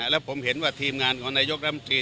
แล้วผมเห็นว่าทีมงานของนายกรัฐมนตรี